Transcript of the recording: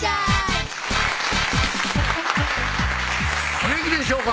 お元気でしょうか？